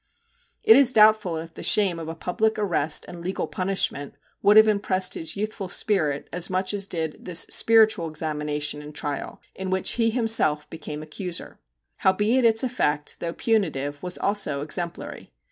It is doubtful 32 MR. JACK HAMLIN'S MEDIATION if the shame of a public arrest and legal punishment would have impressed his youthful spirit as much as did this spiritual examination and trial, in which he himself became accuser. Howbeit its effect, though punitive, was also exemplary.